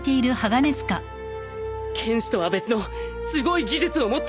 剣士とは別のすごい技術を持った人たちだ！